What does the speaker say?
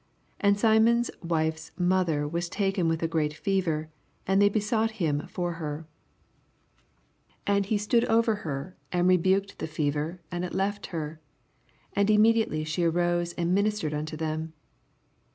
And Simon*t wife's mother was taken with a great fever; and they besouffht him for her. 89 And he stood over her, and re> LIT;CSj OEAP. IV. 12$ talked the f&yei and it left her : and immediately she arose and ministered onto them.